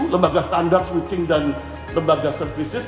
lembaga standar switching dan lembaga services